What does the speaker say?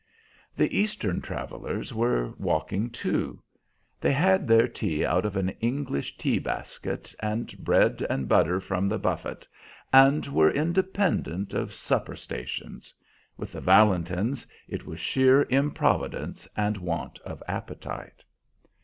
The Eastern travelers were walking too. They had their tea out of an English tea basket, and bread and butter from the buffet, and were independent of supper stations. With the Valentins it was sheer improvidence and want of appetite.